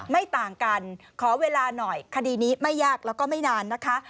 ไม่ต่างกันขอเวลาหน่อยคดีนี้ไม่ยากแล้วก็ไม่นานนะคะ